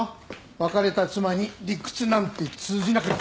別れた妻に理屈なんて通じなかった。